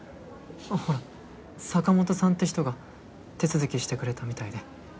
ほら坂本さんって人が手続きしてくれたみたいで。